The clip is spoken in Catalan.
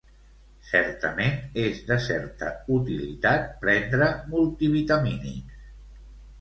Certament, és de certa utilitat prendre multivitamínics.